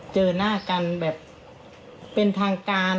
เจอหน้ากันแบบเป็นทางการ